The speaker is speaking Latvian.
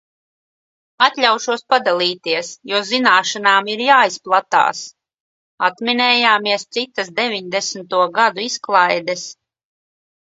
Atļaušos padalīties, jo zināšanām ir jāizplatās. Atminējāmies citas deviņdesmito gadu izklaides.